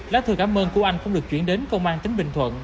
lá thư cảm ơn của anh cũng được chuyển đến công an tỉnh bình thuận